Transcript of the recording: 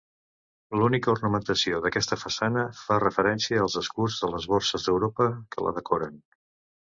L'única ornamentació d'aquesta façana fa referència als escuts de les borses d'Europa que la decoren.